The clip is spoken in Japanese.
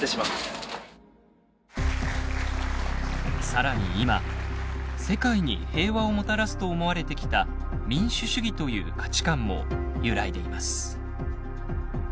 更に今世界に平和をもたらすと思われてきた民主主義という価値観も揺らいでいます。